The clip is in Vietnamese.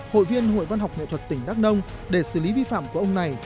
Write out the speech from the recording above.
hội viên hội văn học nghệ thuật tỉnh đắk nông để xử lý vi phạm của ông này